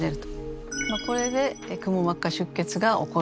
これでくも膜下出血が起こる。